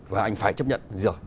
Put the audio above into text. và anh phải chấp nhận